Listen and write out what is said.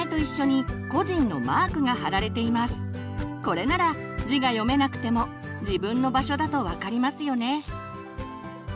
これなら字が読めなくても自分の場所だと分かりますよね。